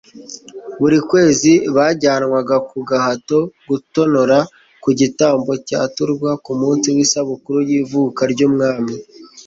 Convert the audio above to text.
buri kwezi bajyanwaga ku gahato gutonora ku gitambo cyaturwaga ku munsi w'isabukuru y'ivuka ry'umwami